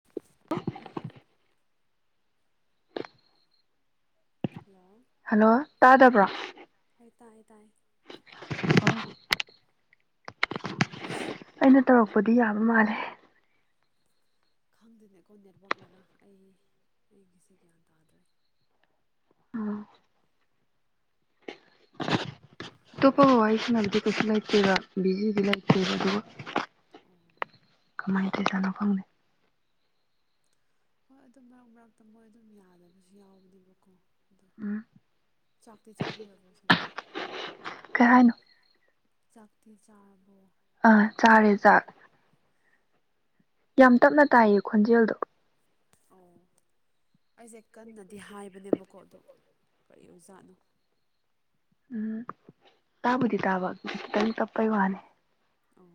[inaudible] Hello hello hello ꯇꯥꯗꯕ꯭ꯔꯣ ꯍꯣꯏ ꯇꯥꯏꯌꯦ ꯇꯥꯏꯌꯦ ꯑꯣ [inaudible] ꯑꯩꯅ ꯇꯧꯔꯛꯄꯗꯤ ꯌꯥꯕ ꯃꯥꯜꯂꯦ ꯈꯪꯗꯅꯦ ꯈꫭꯏ ꯅꯦꯠꯋꯥꯛꯅꯔ ꯑꯩ ꯑꯩꯒꯤꯁꯤ ꯒ꯭ꯌꯥꯟ ꯇꯥꯗ꯭ꯔꯦ꯫ ꯎꯝ ꯑꯇꯣꯞꯄꯒ ꯋꯥꯏꯁꯅꯥꯕꯗꯤ ꯀꯩꯁꯨ ꯂꯩꯇꯦꯕ ꯕꯤꯖꯤꯗꯤ ꯂꯩꯇꯦꯕ ꯑꯗꯨꯒ ꯑꯣ ꯀꯃꯥꯏꯅ ꯇꯧꯏꯖꯥꯠꯅꯣ ꯈꯪꯗꯦ ꯍꯣꯏ ꯑꯗꯨ ꯃꯔꯛ ꯃꯔꯛꯇ ꯃꯣꯏ ꯑꯗꯨꯝ ꯌꯥꯗꯕꯁꯨ ꯌꯥꯎꯕꯁꯨ ꯍꯥꯎꯕꯅꯦꯀꯣ ꯑꯗꯣ ꯎꯝ ꯆꯥꯛꯇꯤ ꯆꯥꯕꯤꯔꯕꯣ ꯁꫭꯝꯗꯤ ꯀꯩ ꯍꯥꯏꯅꯣ ꯆꯥꯛꯇꯤ ꯆꯥꯔꯕꯣ ꯑꯥ ꯆꯥꯔꯦ ꯆꯥꯛ ꯌꯥꯝ ꯇꯞꯅ ꯇꯥꯏꯌꯦ ꯈꯣꯟꯖꯦꯜꯗꯣ ꯑꯣ ꯑꯩꯁꯦ ꯀꯟꯅꯗꯤ ꯍꯥꯏꯕꯅꯦꯕꯀꯣ ꯑꯗꫭ ꯀꯔꯤ ꯑꯣꯏꯖꯥꯠꯅꯣ꯫ ꯎꯝ ꯇꯥꯕꯨꯗꯤ ꯇꯥꯕ ꯈꯤꯇꯪ ꯇꯞꯄꯩ ꯎꯝ ꯋꯥꯅꯤ ꯑꯣ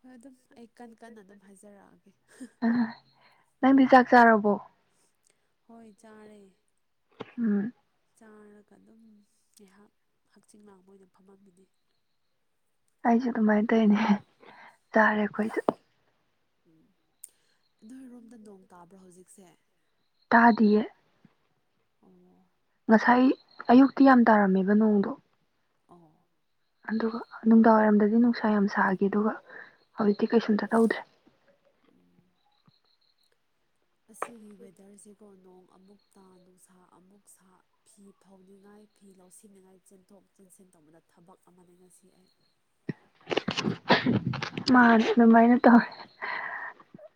ꯍꯣꯏ ꯑꯗꯨꯝ ꯑꯩ ꯀꯟ ꯀꯟꯅ ꯑꯗꯨꯝ ꯍꯥꯏꯖꯔꯛꯑꯒꯦ ꯑꯥ ꯅꯪꯗꯤ ꯆꯥꯛ ꯆꯥꯔꯕꯣ ꯍꯣꯏ ꯆꯥꯔꯦ꯫ ꯎꯝ ꯆꯥꯔꯒ ꯑꯗꯨꯝ ꯉꯥꯏꯍꯥꯛ ꯍꯛꯆꯤ ꯂꯥꯡꯕ ꯑꯣꯏꯅ ꯐꯝꯃꯝꯃꯤꯅꯦ꯫ ꯑꯩꯁꯨ ꯑꯗꯨꯃꯥꯏꯅ ꯇꯧꯏꯅꯦ ꯆꯥꯔꯦ ꯑꯩꯈꯣꯏꯁꯨ꯫ ꯎꯝ ꯅꯣꯏꯔꯣꯝꯗ ꯅꯣꯡ ꯇꯥꯕ꯭ꯔꯣ ꯍꯧꯖꯤꯛꯁꯦ꯫ ꯇꯥꯗꯤꯌꯦ꯫ ꯑꯣ ꯉꯁꯥꯏ ꯑꯌꯨꯛꯇꯤ ꯌꯥꯝ ꯇꯥꯔꯝꯃꯦꯕ ꯅꯣꯡꯗꯣ꯫ ꯑꫭ ꯑꯗꯨꯒ ꯅꯨꯡꯗꯥꯡꯋꯥꯏꯔꯝꯗꯗꯤ ꯅꯨꯡꯁꯥ ꯌꯥꯝ ꯁꯥꯈꯤ ꯑꯗꯨꯒ ꯍꯧꯖꯤꯛꯇꯤ ꯀꯩꯁꯨꯝꯇ ꯇꯧꯗ꯭ꯔꯦ꯫ ꯎꯝ ꯑꯁꯤꯒꯤ ꯋꯦꯗꯔꯁꯦ ꯀꯣ ꯅꯣꯡ ꯑꯃꯨꯛꯇ ꯅꯨꯡꯁꯥ ꯑꯃꯨꯛ ꯁꯥ ꯐꯤ ꯐꯧꯅꯤꯉꯥꯏ ꯐꯤ ꯂꯧꯁꯤꯟꯅꯤꯉꯥꯏ ꯆꯦꯟ ꯆꯦꯟꯊꯣꯛ ꯆꯦꯟꯁꯤꯟ ꯇꯧꯕꯗ ꯊꯕꯛ ꯑꯃꯅꯤ ꯉꯁꯤ ꯑꯩ ꯃꯥꯅꯦ ꯑꯗꯨꯃꯥꯏꯅ ꯇꯧꯋꯦ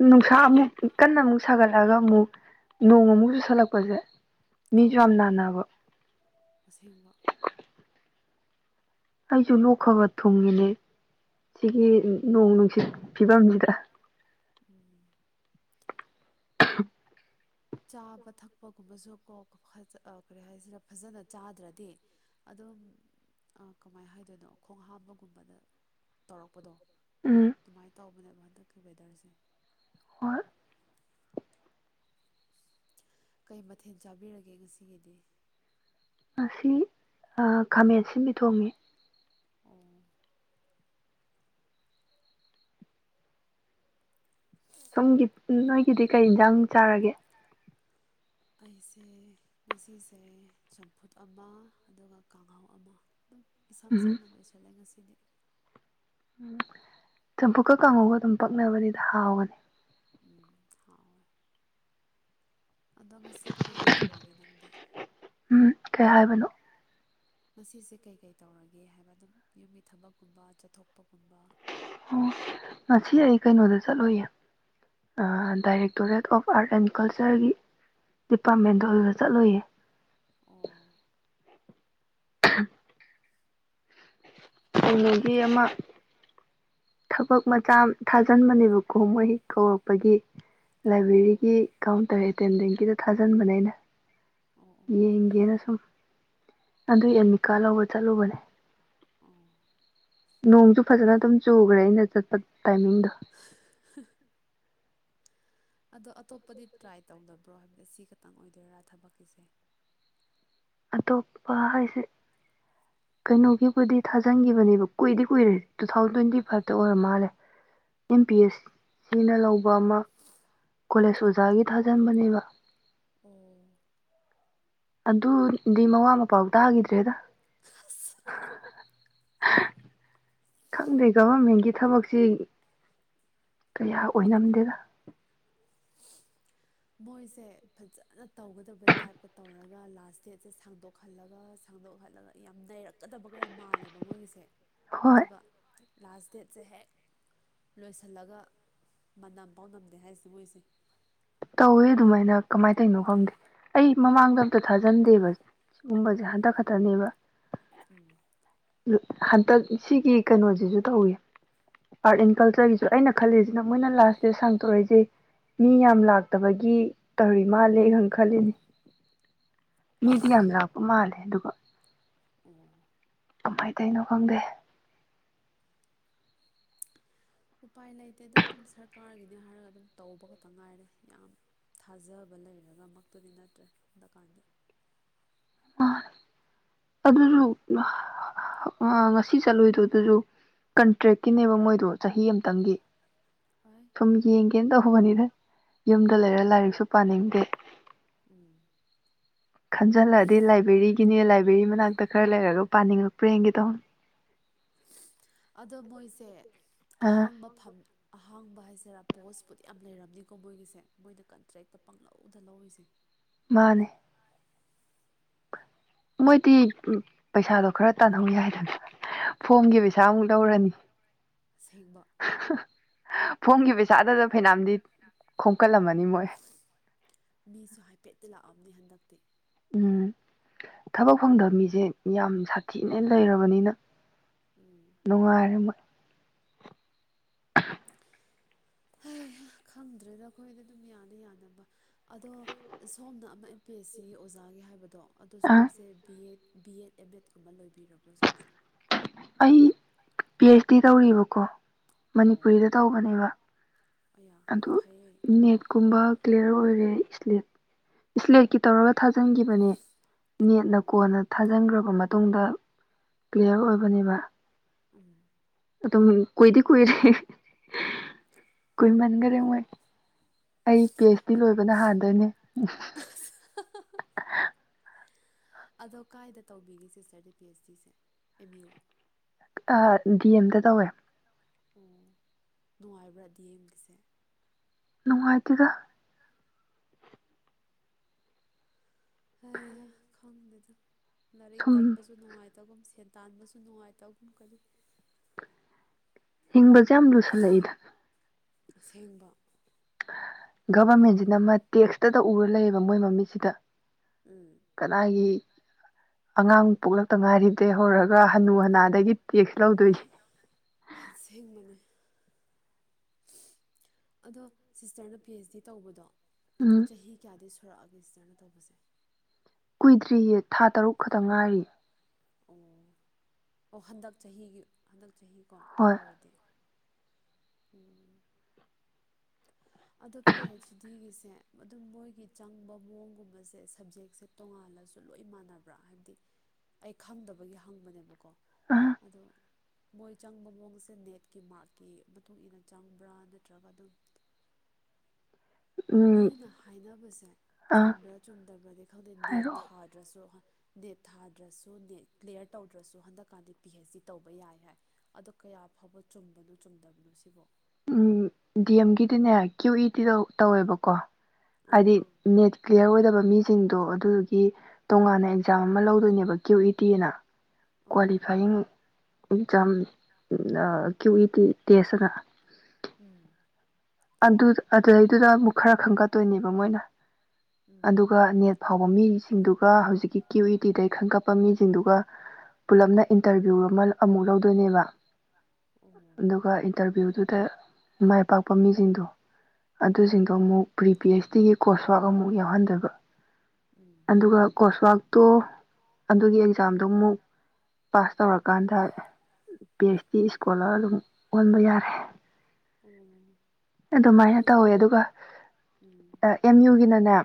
ꯅꯨꯡꯁꯥ ꯑꯃꯨꯛ ꯀꯟꯅ ꯑꯃꯨꯛ ꯁꯥꯒꯠꯂꯛꯑꯒ ꯑꯃꯨꯛ ꯅꯣꯡꯃꯨꯛ ꯆꯨꯁꯟꯂꯛꯄꯁꯦ ꯑꯥꯎ ꯑꯁꯦꯡꯕ ꯑꯩꯁꯨ ꯅꯣꯛꯈꯔꯒꯛ ꯊꯨꯡꯉꯤꯅꯦ ꯎꯝ ꯁꯤꯒꯤ ꯅꯣꯡ ꯅꯨꯡꯁꯤꯠ ꯐꯤꯕꯝꯁꯤꯗ ꯎꯝ [unintelligible] ꯆꯥꯕ ꯊꯛꯄꯒꯨꯝꯕꯁꯨ ꯀꯣ ꯀꯔꯤ ꯍꯥꯏꯁꯤꯔ ꯐꯖꯅ ꯆꯥꯗ꯭ꯔꯗꯤ ꯑꯗꯨꯝ ꯑꯥ ꯀꯃꯥꯏꯅ ꯍꯥꯏꯗꯣꯏꯅꯣ ꯈꯣꯡ ꯍꯥꯝꯕꯒꯨꯝꯕꯗ ꯇꯧꯔꯛꯄꯗꯣ ꯎꯝ ꯑꯗꯨꯃꯥꯏꯅ ꯇꯧꯕꯅꯦꯕ ꯍꯟꯗꯛꯀꯤ ꯋꯦꯗꯔꯁꯦ ꯍꯣꯏ ꯀꯩ ꯃꯊꯦꯜ ꯆꯥꯕꯤꯔꯒꯦ ꯉꯁꯤꯒꯤꯗꯤ꯫ ꯉꯁꯤ ꯈꯥꯃꯦꯟ ꯁꯤꯟꯕꯤ ꯊꯣꯡꯉꯦ꯫ ꯑꯣ ꯁꯣꯝꯒꯤ ꯅꯣꯏꯒꯤꯗꯤ ꯀꯩ ꯌꯦꯟꯖꯥꯡ ꯆꯥꯔꯒꯦ꯫ ꯑꯩꯁꯦ ꯉꯁꯤꯁꯦ ꯆꯝꯐꯨꯠ ꯑꯃ ꯑꯗꯨꯒ ꯀꯥꯡꯍꯥꯎ ꯑꯃ ꯑꯗꯨꯝ ꯏꯁꯝ ꯎꯝ ꯁꯝꯅ ꯂꯣꯏꯁꯤꯜꯂꯦ ꯉꯁꯤꯗꯤ ꯎꯝ ꯆꯝꯐꯨꯀ ꯀꯥꯡꯉꯧꯒ ꯑꯗꯨꯝ ꯄꯛꯅꯕꯅꯤꯗ ꯍꯥꯎꯒꯅꯤ ꯎꯝ ꯍꯥꯎꯣꯏ ꯑꯗꯣ ꯉꯁꯤꯗꯤ ꯀꯩꯀꯩ ꯇꯧꯔꯒꯦ ꯅꯪꯗꯤ ꯎꯝ ꯀꯩ ꯍꯥꯏꯕꯅꯣ ꯉꯁꯤꯁꯦ ꯀꯩ ꯀꯩ ꯇꯧꯔꯒꯦ ꯍꯥꯏꯕ ꯑꯗꯨꯝ ꯌꯨꯝꯒꯤ ꯊꯕꯛꯀꯨꯝꯕ ꯆꯠꯊꯣꯛꯄꯒꯨꯝꯕ ꯑꯣ ꯉ ꯑꯩ ꯀꯩꯅꯣꯗ ꯆꯠꯂꯣꯏꯌꯦ directorate of art and ꯀꯜꯆꯔꯒꯤ ꯗꯤꯄꯥꯔꯠꯃꯦꯟꯗ ꯑꯗꯨ ꯆꯠꯂꯣꯏꯌꯦ ꯑꯣ [unintelligible] ꯀꯅꯣꯕꯤ ꯑꯃ ꯌꯦꯕ ꯊꯕꯛ ꯃꯆꯥ ꯊꯥꯖꯤꯟꯕꯅꯦꯕ ꯀꯣꯍꯣꯏ ꯀꯧꯔꯛꯄꯒꯤ ꯑꯣ ꯂꯥꯏꯕ꯭ꯔꯦꯔꯤꯒꯤ ꯀꯥꯎꯟꯇꯔ ꯑꯦꯇꯦꯟꯗꯦꯟꯒꯤꯗ ꯊꯥꯖꯟꯕꯅꯦ ꯑꯩꯅ ꯑꯣ ꯑꯣ ꯌꯦꯡꯒꯦꯅ ꯐꯩꯌꯦ ꯁꯨꯝ ꯑꯗꯨ ꯑꯦꯟꯃꯤꯀꯥ ꯂꯧꯕ ꯆꯠꯂꯨꯕꯅꯦ ꯑꯣ ꯅꯣꯡꯁꯨ ꯐꯖꯅ ꯑꯗꯨꯝ ꯆꯨꯈ꯭ꯔꯦ ꯑꯩꯅ ꯆꯠꯄ ꯇꯥꯏꯃꯤꯡꯗꯣ ꯑꯗꯣ ꯑꯇꯣꯞꯄꯗꯤ ꯇ꯭ꯔꯥꯏ ꯇꯧꯗꯕ꯭ꯔꯣ ꯍꯥꯏꯕꯗꯤ ꯁꯤ ꯈꯛꯇꯪ ꯑꯣꯏꯗꯣꯏꯔꯥ ꯊꯕꯛꯀꯤꯁꯦ ꯑꯇꯣꯞꯄ ꯍꯥꯏꯁꯦ [unintelligible] ꯀꯩꯅꯣꯒꯤꯕꯨꯗꯤ ꯊꯥꯖꯤꯟꯈꯤꯕꯅꯦꯕ ꯀꯨꯏꯗꯤ ꯀꯨꯏꯔꯦ ꯇꯨ ꯊꯥꯎꯖꯟ ꯇ꯭ꯋꯦꯟꯇꯤ ꯐꯥꯏꯚꯇ ꯑꯣꯏꯔ ꯃꯥꯜꯂꯦ ꯑꯦꯝ ꯄꯤ ꯑꯦꯁ ꯁꯤꯅ ꯂꯧꯕ ꯑꯃ ꯀꯣꯂꯦꯖ ꯑꯣꯖꯥꯒꯤ ꯊꯥꯖꯤꯟꯕꯅꯦꯕ ꯑꯣ ꯑꯗꯨꯗꯤ ꯃꯋꯥꯥ ꯃꯄꯥꯎ ꯇꯥꯈꯤꯗ꯭ꯔꯦꯗ ꯑꯁ ꯈꯪꯗꯦ ꯒꯚꯔꯃꯦꯟꯒꯤ ꯊꯕꯛꯁꯤ ꯀꯌꯥ ꯑꯣꯏꯔꯝꯗꯦꯗ ꯃꯣꯏꯁꯦ ꯐꯖꯅ ꯇꯧꯒꯗꯕꯩ ꯇꯥꯏꯞꯀ ꯇꯧꯔꯒ ꯂꯥꯁ ꯗꯦꯠꯁꯦ ꯁꯥꯡꯗꯣꯛ ꯈꯜꯂꯒ ꯁꯪꯗꯣꯛꯍꯜꯂꯒ ꯌꯥꯝ ꯅꯩꯔꯛꯀꯗꯕꯒ ꯌꯥꯝ ꯃꯥꯜꯂꯦꯕ ꯃꯣꯏꯒꯤꯁꯦ ꯍꯣꯏ ꯑꯗꯨꯒ ꯂꯥꯁ ꯗꯦꯠꯁꯦ ꯍꯥꯏꯦꯛ ꯂꯣꯏꯁꯤꯜꯂꯒ ꯃꯅꯝ ꯄꯥꯎ ꯉꯝꯗꯦ ꯍꯥꯏꯔꯤꯁꯦ ꯃꯣꯏꯁꯦ ꯇꯧꯋꯦ ꯑꯗꯨꯃꯥꯏꯅ ꯀꯃꯥꯏꯅ ꯇꯧꯅꯣ ꯈꯪꯗꯦ ꯑꯩ ꯃꯃꯥꯡꯗ ꯑꯝꯇ ꯊꯥꯖꯟꯗꯦꯕ ꯁꯤꯒꯨꯝꯕꯁꯦ ꯎꯝ ꯍꯟꯇꯛ ꯈꯛꯇꯅꯦꯕ ꯎꯝ ꯍꯟꯇꯛ ꯁꯤꯒꯤ ꯀꯩꯅꯣꯁꯤꯁꯨ ꯇꯧꯏ ꯑꯥꯔꯠ ꯑꯦꯟ ꯀꯜꯆꯔꯒꯤꯁꯨ ꯑꯩꯅ ꯈꯜꯂꯤꯁꯤꯅ ꯃꯣꯏꯅ ꯂꯥꯁ ꯗꯦꯠ ꯁꯥꯡꯇꯣꯔꯛꯏꯁꯦ ꯃꯤ ꯌꯥꯝ ꯂꯥꯛ ꯇꯕꯒꯤ ꯇꯧꯔꯤ ꯃꯥꯜꯂꯦ ꯑꯩ ꯈꯪ ꯈꯜꯂꯤꯅꯤ ꯃꯤꯗꯤ ꯌꯥꯝ ꯂꯥꯛꯄ ꯃꯥꯜꯂꯦ ꯑꯗꯨꯒ ꯑꯣ ꯀꯃꯥꯏꯅ ꯇꯩꯅꯣ ꯈꯪꯗꯦ ꯎꯄꯥꯏ ꯂꯩꯇꯦꯗ ꯑꯗꯨꯝ ꯁꯔꯀꯥꯔꯒꯤꯅꯦ ꯍꯥꯏꯔꯒ ꯑꯗꯨꯝ ꯇꯧꯕ ꯈꯛꯇ ꯉꯥꯏꯔꯦ ꯌꯥꯝ ꯊꯥꯖꯕ ꯂꯩꯔꯒ ꯃꯛꯇꯨꯗꯤ ꯅꯠꯇ꯭ꯔꯦ ꯍꯟꯗꯛꯀꯥꯟꯗꯤ ꯃꯥꯅꯦ ꯑꯗꯨꯁꯨ ꯑ ꯉꯁꯤ ꯁꯤ ꯆꯠꯂꯨꯏꯗꯣ ꯑꯗꯨꯁꯨ ꯀꯟꯇ꯭ꯔꯦꯛꯀꯤꯅꯦꯕ ꯃꯣꯏꯗꯣ ꯆꯍꯤ ꯑꯝꯇꯪꯒꯤ ꯑꯩ ꯁꯨꯝ ꯌꯦꯡꯒꯦꯅ ꯇꯧꯕꯅꯤꯅ ꯌꯨꯝꯗ ꯑꯣ ꯂꯩꯔ ꯂꯥꯏꯔꯤꯛꯁꯨ ꯄꯥꯅꯤꯡꯗꯦ ꯎꯝ ꯈꯟꯖꯜꯂꯛꯑꯗꯤ ꯂꯥꯏꯕ꯭ꯔꯦꯔꯤꯒꯤꯅꯤ ꯂꯥꯏꯕ꯭ꯔꯦꯔꯤ ꯃꯅꯥꯛꯇ ꯈꯔ ꯂꯩꯔꯒ ꯄꯥꯅꯤꯡꯉꯛꯄ꯭ꯔ ꯌꯦꯡꯒꯦ ꯇꯧꯅꯦ ꯑꯗꯣ ꯃꯣꯏꯁꯦ ꯑ ꯑꯍꯥꯡꯕ ꯐꯝ ꯑꯍꯥꯡꯕ ꯍꯥꯏꯁꯤꯔꯥ ꯄꯣꯁꯄꯨꯗꯤ ꯌꯥꯝ ꯂꯩꯔꯝꯅꯤꯀꯣ ꯃꯣꯏꯒꯤꯁꯦ ꯃꯣꯏꯅ ꯀꯟꯇ꯭ꯔꯦꯛꯇ ꯄꯥꯡꯂꯧꯗ ꯂꯧꯔꯤꯁꯦ ꯃꯥꯅꯦ ꯃꯥꯅꯦ ꯃꯣꯏꯗꯤ ꯄꯩꯁꯥꯗꯣ ꯈꯔ ꯇꯥꯟꯍꯧꯏ ꯌꯥꯏꯗꯅ ꯐꯣꯝꯒꯤ ꯄꯩꯁꯥꯃꯨꯛ ꯂꯧꯔꯅꯤ ꯑꯁꯦꯡꯕ ꯐꯣꯝꯒꯤ ꯐꯣꯝꯒꯤ ꯄꯩꯁꯥꯗꯨꯗ ꯐꯩꯅꯥꯝꯗꯤ ꯄꯩꯁꯥꯗꯗ ꯐꯩꯅꯥꯝꯗꯤ ꯈꯣꯝꯀꯠꯂꯝꯃꯅꯤ ꯃꯣꯏ ꯈꯣꯝꯀꯜꯂꯝꯃꯅꯤ ꯃꯣꯏ ꯃꯤꯁꯨ ꯍꯥꯏꯐꯦꯠꯇꯤ ꯂꯥꯛꯑꯝꯅꯤ ꯍꯟꯗꯛꯇꯤ ꯎꯝ ꯊꯕꯛ ꯐꯪꯗꯕ ꯃꯤꯁꯦ ꯌꯥꯝ ꯁꯥꯊꯤꯅ ꯂꯩꯔꯕꯅꯤꯅ ꯎꯝ ꯅꯨꯡꯉꯥꯏꯔꯦ ꯃꯣꯏ ꯍꯩꯍꯥ ꯈꯪꯗ꯭ꯔꯦꯗ ꯑꯩꯈꯣꯏꯗꯤ ꯑꯗꯨꯝ ꯌꯥꯅ ꯌꯥꯅꯕ ꯑꯗꯣ ꯁꯣꯝꯅ ꯑꯃ ꯑꯦꯝ ꯄꯤ ꯑꯦꯁ ꯁꯤꯒꯤ ꯑꯣꯖꯥꯒꯤ ꯍꯥꯏꯕꯗꯣ ꯑꯗꯣ ꯑ ꯁꯣꯝꯁꯦ B Ed B Ed M ꯑꯦꯗꯀꯨꯝꯕ ꯂꯣꯏꯕꯤꯔꯕ꯭ꯔꯣ ꯁꯣꯝꯁꯦ ꯑꯩ ꯄꯤ ꯑꯩꯆ ꯗꯤ ꯇꯧꯔꯤꯕꯀꯣ ꯑꯣ ꯃꯅꯤꯄꯨꯔꯤꯗ ꯇꯧꯕꯅꯦꯕ ꯑꯌꯥ ꯑꯗꯨ ꯐꯩꯌꯦ ꯅꯦꯠꯀꯨꯝꯕ ꯀ꯭ꯂꯤꯌꯔ ꯑꯣꯏꯔꯦ ꯏꯁꯂꯤꯠ ꯁ꯭ꯂꯦꯠꯀꯤ ꯇꯧꯔꯒ ꯊꯥꯖꯤꯟꯈꯤꯕꯅꯦ ꯅꯦꯠꯅ ꯑꯣ ꯀꯣꯟꯅ ꯊꯥꯖꯤꯟꯈ꯭ꯔꯕ ꯃꯇꯨꯡꯗ ꯀ꯭ꯂꯤꯌꯔ ꯑꯣꯏꯕꯅꯦꯕ ꯎꯝ ꯑꯗꯨꯝ ꯀꯨꯏꯗꯤ ꯀꯨꯏꯔꯦ ꯀꯨꯏꯃꯟꯈꯔꯦ ꯃꯣꯏ ꯑꯩ ꯄꯤ ꯑꯩꯆ ꯗꯤ ꯂꯣꯏꯕꯅ ꯍꯥꯟꯗꯣꯏꯅꯦ ꯑꯗꯣ ꯀꯥꯏꯗ ꯇꯧꯕꯤꯒꯦ ꯁꯤꯁꯇꯔꯗꯤ ꯄꯤ ꯑꯩꯆ ꯗꯤꯁꯦ ꯑꯦꯝ ꯌꯨ ꯑ ꯗꯤ ꯑꯦꯝꯗ ꯇꯧꯋꯦ ꯑꯣ ꯅꯨꯡꯉꯥꯏꯕ꯭ꯔꯥ ꯗꯤ ꯑꯦꯝꯒꯤꯁꯦ ꯅꯨꯡꯉꯥꯏꯇꯦꯗ ꯍꯩꯍꯣ ꯈꯪꯗꯦꯗ ꯂꯥꯏꯔꯤꯛ ꯁꯨꯝ ꯇꯝꯕꯁꯨ ꯅꯨꯡꯉꯥꯏ ꯇꯒꯨꯝ ꯁꯦꯟ ꯇꯥꯟꯕꯁꯨ ꯅꯨꯡꯉꯥꯏꯇꯒꯨꯝ ꯀꯔꯤ ꯍꯤꯡꯕꯁꯦ ꯌꯥꯝ ꯂꯨꯁꯜꯂꯛꯏꯗ ꯑꯁꯦꯡꯕ ꯒꯚꯔꯃꯦꯟꯁꯤꯅ ꯑꯃ ꯇꯦꯛꯁꯇꯗ ꯎꯔ ꯂꯩꯌꯦꯕ ꯃꯣꯏ ꯃꯃꯤꯠꯁꯤꯗ ꯎꯝ ꯀꯅꯥꯒꯤ ꯑꯉꯥꯡ ꯄꯣꯛꯂꯛꯇ ꯉꯥꯏꯔꯤꯕꯗꯩ ꯍꯧꯔꯒ ꯍꯅꯨ ꯍꯅꯥꯗꯒꯤ ꯇꯦꯛꯁ ꯂꯧꯗꯣꯏ ꯑꯁꯦꯡꯕꯅꯦ ꯑꯗꯣ ꯁꯤꯁꯇꯔꯅ ꯄꯤ ꯑꯩꯆ ꯗꯤ ꯇꯧꯕꯗꯣ ꯑꯗꯣ ꯎꯝ ꯆꯍꯤ ꯀꯌꯥꯗꯤ ꯁꯨꯔꯛꯑꯒꯦ ꯁꯤꯁꯇꯔꯅ ꯇꯧꯕꯁꯦ ꯀꯨꯏꯗ꯭ꯔꯤꯌꯦ ꯊꯥ ꯇꯔꯨꯛ ꯈꯛꯇ ꯉꯥꯏꯔꯤ ꯑꯣ ꯑꯣ ꯍꯟꯗꯛ ꯆꯍꯤꯒꯤ ꯍꯟꯗꯛ ꯆꯍꯤ ꯀꯣ ꯍꯣꯏ ꯇꯨꯔꯗꯤ ꯎꯝ ꯑꯗꯣ ꯄꯤ ꯍꯩꯆ ꯗꯤꯒꯤꯁꯦ ꯑꯗꯨꯝ ꯃꯣꯏꯒꯤ ꯆꯪꯕ ꯃꯑꯣꯡꯒꯨꯝꯕꯁꯦ ꯁꯞꯖꯦꯛꯁꯦ ꯇꯣꯉꯥꯜꯂꯁꯨ ꯂꯣꯏ ꯃꯥꯟꯅꯕ꯭ꯔꯥ ꯍꯥꯏꯕꯗꯤ ꯑꯩ ꯈꯪꯗꯕꯒꯤ ꯍꯪꯕꯅꯦꯕꯀꯣ ꯑ ꯑꯗꯣ ꯃꯣꯏ ꯆꯪꯕ ꯃꯑꯣꯡꯁꯦ ꯅꯦꯠꯀꯤ ꯃꯥꯔꯛꯀꯤ ꯃꯇꯨꯡ ꯏꯟꯅ ꯆꯪꯕ꯭ꯔꯥ ꯅꯠꯇ꯭ꯔꯒ ꯑꯗꯨꯝ ꯎꯝ ꯃꯤꯅ ꯍꯥꯏꯅꯕꯁꯦ ꯑꯥ ꯆꯨꯝꯕ꯭ꯔꯥ ꯆꯨꯝꯗꯕ꯭ꯔꯗꯤ ꯈꯪꯗꯦ ꯅꯦꯠ ꯍꯥꯏꯔꯛꯑꯣ ꯊꯥꯗ꯭ꯔꯁꯨꯣꯏ ꯅꯦꯠ ꯊꯥꯗ꯭ꯔꯁꯨ ꯅꯦꯠ ꯀ꯭ꯂꯤꯌꯥꯂꯤꯌꯥꯔ ꯇꯧꯗ꯭ꯔꯁꯨ ꯍꯟꯗꯛꯀꯥꯟꯗꯤ ꯄꯤ ꯑꯩꯩꯆ ꯗꯤ ꯇꯧꯕ ꯌꯥꯏ ꯍꯥꯏ ꯑꯗꯣ ꯀꯌꯥ ꯐꯥꯎꯕ ꯆꯨꯝꯕꯅꯣ ꯆꯨꯝꯗꯕꯅꯣ ꯁꯤꯕꯣ ꯎꯝ ꯗꯤ ꯑꯦꯝꯒꯤꯗꯤꯅꯦ ꯀ꯭ꯌꯨ ꯏꯗꯤꯗ ꯇꯧꯋꯦꯕꯀꯣ ꯍꯥꯏꯗꯤ ꯑꯥ ꯅꯦꯠ ꯀ꯭ꯂꯤꯌꯥꯔ ꯑꯣꯏꯗꯕ ꯃꯤꯁꯤꯡꯗꯣ ꯑꯗꯨꯗꯨꯒꯤ ꯇꯣꯉꯥꯟꯅ ꯑꯦꯛꯖꯥꯝ ꯑꯃ ꯂꯧꯗꯣꯏꯅꯦꯕ ꯀ꯭ꯌꯨ ꯏ ꯇꯤ ꯑꯅ ꯑꯣ qualifying exam Q E T ꯇꯦꯁꯅ ꯎꯝ ꯑꯗꯨ ꯑꯗꯨꯗꯩꯗꯨꯗ ꯑꯃꯨꯛ ꯈꯔ ꯈꯪꯒꯠꯇꯣꯏꯅꯦꯕ ꯃꯣꯏꯅ ꯎꯝ ꯑꯗꯨꯒ ꯅꯦꯠ ꯐꯥꯎꯕ ꯃꯤꯁꯤꯡꯗꯨꯒ ꯍꯧꯖꯤꯛꯀꯤ ꯀ꯭ꯌꯨ ꯏ ꯇꯤꯗꯒꯤꯩ ꯈꯟ ꯀꯞꯄ ꯃꯤꯁꯤꯡꯗꯨꯒ ꯄꯨꯜꯂꯞꯅ ꯏꯟꯇꯔꯚꯤꯌꯨ ꯑꯃ ꯑꯃꯨꯛ ꯂꯧꯗꯣꯏꯅꯦꯕ ꯑꯣ ꯑꯗꯨꯒ ꯏꯟꯇꯔꯚꯤꯌꯨꯗꯨꯗ ꯃꯥꯏ ꯄꯥꯛꯄ ꯃꯃꯤꯁꯤꯡꯗꯣ ꯎꯝ ꯑꯗꯨꯁꯤꯡꯗꯣ ꯑꯃꯨꯛ ꯄ꯭ꯔꯤ ꯄꯤ ꯑꯩꯆ ꯗꯤꯒꯤ ꯀꯣꯁꯋꯥꯛ ꯑꯃꯨꯛ ꯌꯥꯎꯍꯟꯗꯣꯏꯕ ꯎꯝ ꯑꯣ ꯑꯗꯣ ꯑꯗꯨꯃꯥꯏꯅ ꯇꯧꯋꯦ ꯑꯗꯨꯒ ꯎꯝ ꯎꯝ ꯎꯝ ꯃꯤꯡ ꯐꯥꯎꯗꯕ ꯀꯥꯡꯕꯨꯒꯤ ꯎꯝ ꯑꯗꯨꯒ ꯀꯣꯁꯋꯥꯛ ꯇꯣ ꯑꯗꯨꯒꯤ ꯑꯦꯛꯖꯥꯝꯗꯨ ꯑꯃꯨꯛ ꯄꯥꯁ ꯇꯧꯔꯀꯥꯟꯗ ꯄꯤ ꯑꯩꯆ ꯗꯤ ꯏꯁꯀꯣꯂꯔ ꯑꯗꯨꯝ ꯑꯣꯟꯕ ꯌꯥꯔꯦ ꯑꯣ ꯑꯗꯨꯃꯥꯏꯅ ꯇꯧꯋꯦ ꯑꯗꯨꯒ ꯑ ꯑꯦꯝ ꯌꯨꯒꯤꯅꯅꯦ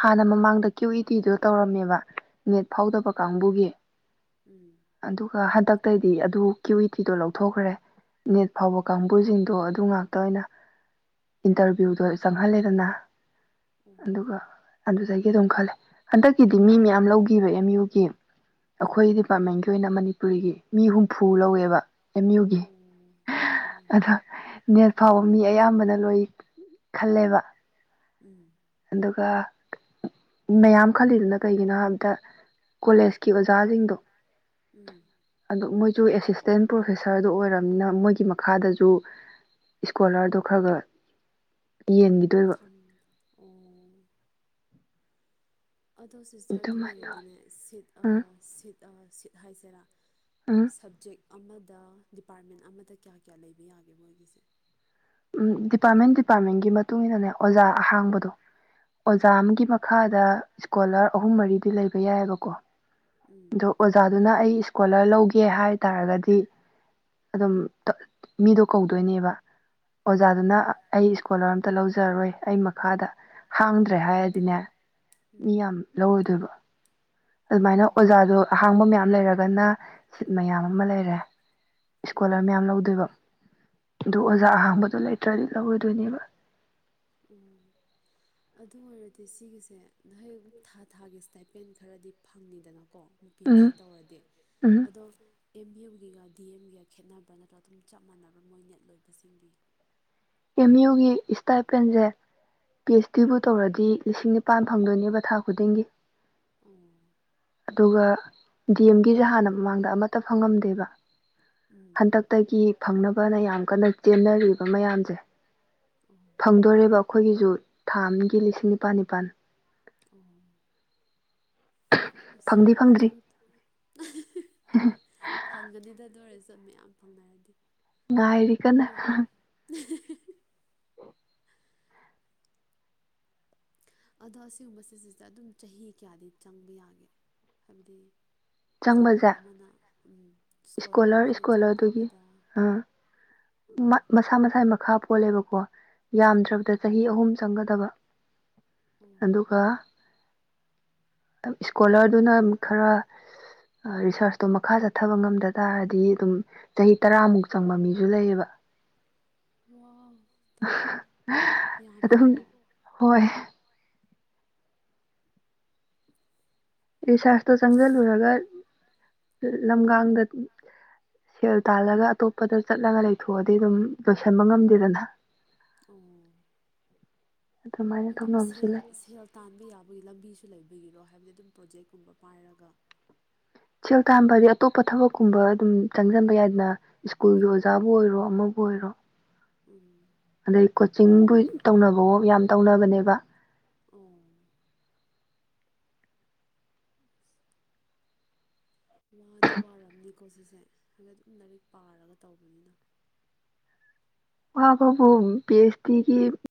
ꯍꯥꯟꯅ ꯃꯃꯥꯡꯗ ꯀ꯭ꯌꯨ ꯏ ꯇꯤꯗꯣ ꯇꯧꯔꯝꯃꯦꯕ ꯅꯦꯠ ꯐꯥꯎꯗꯕ ꯀꯥꯡꯕꯨꯒꯤ ꯎꯝ ꯑꯗꯨꯒ ꯍꯟꯗꯛꯇꯩꯗꯤ ꯑꯗꯨ ꯀ꯭ꯌꯨꯋꯤꯇꯤꯗꯣ ꯂꯧꯊꯣꯛꯈ꯭ꯔꯦ ꯅꯦꯠ ꯐꯥꯎꯕ ꯀꯥꯡꯕꯨꯁꯤꯡꯗꯣ ꯑꯗꯨ ꯉꯥꯛ ꯇ ꯑꯣꯏꯅ ꯏꯟꯇꯔꯚꯤꯌꯨꯗꯣ ꯆꯪꯍꯜꯂꯦꯗꯅ ꯑꯗꯨꯒ ꯑꯣ ꯑꯗꯨꯗꯒꯤ ꯑꯗꯨꯝ ꯈꯜꯂꯦ ꯍꯟꯗꯛꯀꯤꯗꯤ ꯃꯤ ꯃꯌꯥꯝ ꯂꯧꯒꯤꯕ ꯑꯦꯝ ꯌꯨꯒꯤ ꯑꯩꯈꯣꯏ ꯗꯤꯄꯥꯔꯠꯃꯦꯟꯒꯤ ꯑꯣꯏꯅ ꯃꯅꯤꯄꯨꯔꯤꯒꯤ ꯃꯤ ꯍꯨꯝꯐꯨ ꯂꯧꯋꯦꯕ ꯑꯦꯝ ꯌꯨꯒꯤ ꯎ ꯎꯝ ꯑꯗꯣ ꯅꯦꯠ ꯐꯥꯎꯕ ꯃꯤ ꯑꯌꯥꯝꯕꯅ ꯂꯣꯏ ꯈꯜꯂꯦꯕ ꯎꯝ ꯑꯗꯨꯒ ꯃꯌꯥꯝ ꯈꯜꯂꯤꯗꯨꯅ ꯀꯩꯒꯤꯅꯣ ꯍꯥꯏꯕꯗ ꯀꯣꯂꯦꯖꯀꯤ ꯑꯣꯖꯥꯖꯤꯡꯗꯣ ꯎꯝ ꯑꯗꯨ ꯃꯣꯏꯖꯨ ꯑꯦꯁꯤꯁꯇꯦꯟ ꯄ꯭ꯔꯣꯐꯦꯁꯔꯗꯨ ꯑꯣꯏꯔꯝꯅꯤꯅ ꯃꯣꯏꯒꯤ ꯃꯈꯥꯗꯖꯨ ꯏꯁꯀꯣꯂꯥꯔ‌ꯗꯣ ꯈꯔꯒ ꯌꯦꯟꯒꯤ ꯊꯝꯅ ꯑꯣ ꯑꯗꯣ ꯁꯤꯁꯇꯔ ꯗꯨ ꯑꯗꯨꯃꯥꯏꯅ ꯑꯣꯏꯔꯗꯤꯅꯦ ꯁꯤꯠ ꯑ ꯎꯝ ꯁꯤꯠ ꯑ ꯁꯤꯠ ꯍꯥꯏꯁꯦꯔꯥ ꯁꯕꯖꯦꯛ ꯑꯃꯗ ꯗꯤꯄꯥꯔꯠꯃꯦꯟ ꯑꯃꯗ ꯀꯌꯥ ꯀꯌꯥ ꯂꯩꯕ ꯌꯥꯒꯦ ꯃꯣꯏꯒꯤꯁꯦ ꯎꯝ ꯗꯤꯄꯥꯠꯃꯦꯟ ꯗꯤꯄꯥꯠꯃꯦꯟꯒꯤ ꯃꯇꯨꯡ ꯏꯟꯅꯅꯦ ꯑꯣꯖꯥ ꯑꯍꯥꯡꯕꯗꯣ ꯑꯣꯖꯥ ꯎꯝ ꯑꯃꯒꯤ ꯃꯈꯥꯗ ꯏꯁꯀꯣꯂꯥꯔ ꯑꯍꯨꯝ ꯃꯔꯤꯗꯤ ꯂꯩꯕ ꯌꯥꯏꯑꯦꯕꯀꯣ ꯎꯝ ꯑꯗꯣ ꯑꯣꯖꯥꯗꯨꯅ ꯑꯩ ꯏꯁꯀꯣꯂꯔ ꯂꯧꯒꯦ ꯍꯥꯏꯇꯥꯔꯒꯗꯤ ꯑꯗꯨꯝ ꯇ ꯃꯤꯗꯣ ꯀꯧꯗꯣꯏꯅꯦꯕ ꯑꯣ ꯑꯩ ꯑꯣꯖꯥꯗꯨꯅ ꯑꯩ ꯏꯁꯀꯣꯂꯔ ꯑꯝꯇ ꯑꯝꯇ ꯂꯧꯖꯔꯔꯣꯏ ꯑꯩ ꯂꯧꯖꯔꯔꯣꯏ ꯃꯈꯥꯗ ꯑꯩ ꯃꯈꯥꯗ ꯍꯥꯡꯗ꯭ꯔꯦ ꯍꯥꯏꯔꯗꯤꯅꯦ ꯎꯝ ꯃꯤ ꯌꯥꯝ ꯂꯧꯔꯣꯏꯗꯣꯏꯕ ꯑꯗꯨꯃꯥꯏꯅ ꯎꯝ ꯑꯣꯖꯥꯗꯣ ꯑꯗꯨꯃꯥꯏꯅ ꯑꯍꯥꯡꯕ ꯃꯌꯥꯝ ꯂꯩꯔꯒꯅ ꯁꯤꯠ ꯃꯌꯥꯝ ꯑꯃ ꯂꯩꯔꯦ ꯎꯝ ꯏꯁꯀꯣꯂꯔ ꯃꯌꯥꯝ ꯂꯧꯗꯣꯏꯕ ꯑꯗꯨ ꯎꯝ ꯑꯣꯖꯥ ꯑꯍꯥꯡꯕꯗꯨ ꯂꯩꯇ꯭ꯔꯗꯤ ꯂꯧꯔꯣꯏꯗꯣꯏꯅꯦꯕ ꯎꯝ ꯑꯗꯨ ꯑꯣꯏꯔꯗꯤ ꯁꯤꯒꯤꯁꯦ ꯅꯍꯩꯕꯨꯛ ꯊꯥ ꯊꯥꯒꯤ ꯁ꯭ꯇꯥꯏꯄꯦꯟ ꯈꯔꯗꯤ ꯐꯪꯉꯤꯗꯅ ꯀꯣ ꯅꯨꯄꯤꯑꯦꯁꯤ ꯎꯝ ꯇꯧꯔꯗꯤ ꯎꯝ ꯑꯗꯣ ꯑꯦꯝ ꯕꯤ ꯌꯦꯝꯒꯤꯒ ꯗꯤ ꯑꯦꯝꯒꯤꯒ ꯈꯦꯠꯅꯕ꯭ꯔꯥ ꯅꯠꯇ꯭ꯔꯒ ꯑꯗꯨꯝ ꯆꯞ ꯃꯥꯟꯅꯕ꯭ꯔꯥ ꯃꯣꯏ ꯅꯦꯠ ꯂꯣꯏꯕꯁꯤꯡꯒꯤ ꯑꯦꯝ ꯌꯨꯒꯤ ꯏꯁꯇꯥꯏꯄꯦꯟꯖꯦ ꯄꯤ ꯑꯩꯆ ꯗꯤꯕꯨ ꯇꯧꯔꯗꯤ ꯂꯤꯁꯤꯡꯅꯤꯞ ꯄꯥꯟ ꯐꯪꯗꯣꯏꯅꯦꯕ ꯊꯥ ꯈꯨꯗꯤꯡꯒꯤ ꯑꯣ ꯑꯗꯨꯒ ꯗꯤ ꯑꯦꯝꯒꯤꯖꯦ ꯍꯥꯟꯅ ꯃꯃꯥꯡꯗ ꯑꯃꯠꯇ ꯐꯪꯉꯝꯗꯦꯕ ꯎꯝ ꯍꯟꯗꯛꯇꯒꯤ ꯐꯪꯅꯕꯅ ꯌꯥꯝ ꯀꯟꯅ ꯆꯦꯟꯅꯔꯤꯕ ꯃꯌꯥꯝꯖꯦ ꯑꯣ ꯐꯪꯗꯣꯔꯦꯕ ꯑꯩꯈꯣꯏꯒꯤꯖꯨ ꯊꯥ ꯑꯃꯒꯤ ꯂꯤꯁꯤꯡ ꯅꯤꯄꯥꯟ ꯅꯤꯄꯥꯟ ꯑꯣ ꯑꯁ ꯐꯪꯗꯤ ꯐꯪꯗ꯭ꯔꯤ ꯈꯤꯇꯪ ꯐꯪꯒꯅꯤꯗ ꯑꯗꯨ ꯑꯣꯏꯔꯆꯨ ꯃꯌꯥꯝ ꯐꯪꯅꯔꯗꯤ ꯉꯥꯏꯔꯤ ꯀꯟꯅ ꯎꯝ [unintelligible] ꯑꯗꯣ ꯑꯁꯤꯒꯨꯝꯕ ꯁꯤꯁꯤꯗ ꯑꯗꯨꯝ ꯆꯍꯤ ꯀꯌꯥꯗꯤ ꯆꯪꯕ ꯌꯥꯒꯦ ꯍꯥꯏꯕꯗꯤ ꯆꯪꯕꯁꯦ ꯏꯁꯀꯣꯂꯔ ꯑꯃꯅ ꯎꯝ ꯏꯁꯀꯣꯂꯔ ꯑꯃꯅ ꯆꯪꯉꯕꯗ ꯎꯝ ꯃꯠ ꯃꯁꯥ ꯃꯁꯥꯏ ꯃꯈꯥ ꯄꯣꯜꯂꯦꯕꯀꯣ ꯑꯣ ꯌꯥꯝꯗ꯭ꯔꯕꯗ ꯑꯣ ꯆꯍꯤ ꯑꯍꯨꯝ ꯆꯪꯒꯗꯕ ꯎꯝ ꯑꯗꯨꯒ ꯇꯝ ꯏꯁꯀꯣꯂꯔꯗꯨꯅ ꯃ ꯈꯔ ꯑꯗꯨꯒ ꯔꯤꯁꯥꯔꯁꯇꯣ ꯃꯈꯥ ꯆꯠꯊꯕ ꯉꯝꯗ ꯇꯥꯔꯗꯤ ꯑꯗꯨꯝ ꯆꯍꯤ ꯇꯔꯥꯃꯨꯛ ꯆꯪꯕ ꯃꯤꯁꯨ ꯂꯩꯌꯦꯕ ꯋꯥ ꯇꯔꯥ ꯑꯗꯨꯝ ꯌꯥꯝꯃꯦꯀꯣ ꯍꯣꯏ ꯔꯤꯁꯥꯔꯁꯇꯣ ꯆꯪꯖꯜꯂꯨꯔꯒ ꯂꯝꯒꯥꯡꯗ ꯗꯨꯝ ꯁꯦꯜ ꯇꯥꯜꯂꯒ ꯑꯇꯣꯞꯄꯗ ꯆꯠꯂꯒ ꯂꯩꯊꯣꯛꯑꯗꯤ ꯑꯗꯨꯝ ꯂꯣꯏꯁꯟꯕ ꯉꯝꯗꯦꯗꯅ ꯎꯝ ꯑꯗꯨꯃꯥꯏꯅ ꯑꯗꯨꯝ ꯇꯧꯅꯕꯁꯨ ꯁꯦꯜ ꯂꯩ ꯁꯦꯜ ꯇꯥꯟꯕ ꯌꯥꯕꯒꯤ ꯂꯝꯕꯤꯁꯨ ꯂꯩꯕꯒꯤꯔꯣ ꯍꯥꯏꯕꯗꯤ ꯑꯗꯨꯝ ꯄ꯭ꯔꯣꯖꯦꯛꯀꯨꯝꯕ ꯄꯥꯏꯔꯒ ꯁꯦꯜ ꯇꯥꯟꯕ ꯍꯥꯏꯗꯤ ꯑꯇꯣꯞꯄ ꯊꯕꯛꯀꯨꯝꯕ ꯑꯗꯨꯝ ꯆꯪꯖꯟꯕ ꯌꯥꯏꯗꯅ ꯁ꯭ꯀꯨꯜꯒꯤ ꯑꯣ ꯑꯣꯖꯥꯕꯨ ꯑꯣꯏꯔꯣ ꯁ꯭ꯀꯨꯜꯒꯤ ꯑꯃꯕꯨ ꯑꯣꯏꯔꯣ ꯑꯣꯖꯥꯕꯨ ꯑꯣꯏꯔꯣ ꯎꯝ ꯑꯗꯩ ꯀꯣꯆꯤꯡꯒꯤ ꯇꯧꯅꯕꯋꯣ ꯌꯥꯝ ꯇꯧꯅꯕꯅꯦꯕ ꯎꯝ ꯎꯞꯁ ꯋꯥꯗꯤ ꯋꯥꯔꯝꯅꯤꯀꯣ ꯁꯤꯁꯦ ꯍꯥꯏꯗꯤ ꯑꯗꯨꯝ ꯂꯥꯏꯔꯤꯛ ꯄꯥꯔꯒ ꯇꯧꯕꯅꯤꯅ ꯋꯥꯕꯕꯨ ꯄꯤ ꯍꯩꯆ ꯗꯤꯒꯤ